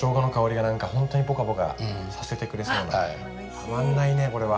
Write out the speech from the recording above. たまんないねこれは。